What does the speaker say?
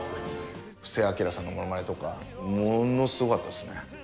布施明さんのものまねとか、ものすごかったですね。